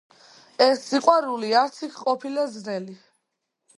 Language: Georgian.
„ეს სიყვარული არც იქ ყოფილა ძნელი.